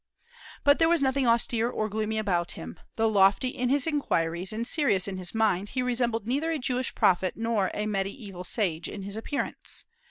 But there was nothing austere or gloomy about him. Though lofty in his inquiries, and serious in his mind, he resembled neither a Jewish prophet nor a mediaeval sage in his appearance.